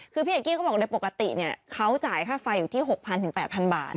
คือพี่เอกกี้เขาบอกโดยปกติเขาจ่ายค่าไฟอยู่ที่๖๐๐๘๐๐บาท